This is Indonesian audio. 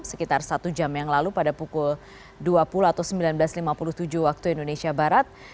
sekitar satu jam yang lalu pada pukul dua puluh atau sembilan belas lima puluh tujuh waktu indonesia barat